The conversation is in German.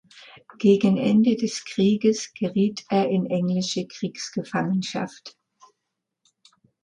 Gegen Ende des Krieges geriet er in englische Kriegsgefangenschaft.